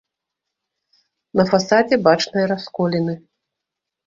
На фасадзе бачныя расколіны.